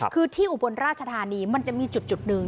คือที่อุบลราชธานีมันจะมีจุดหนึ่ง